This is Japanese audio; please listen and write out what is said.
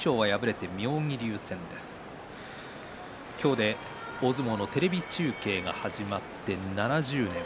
今日で大相撲のテレビ中継が始まって７０年。